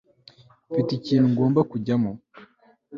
mfite ikintu ngomba kujyamo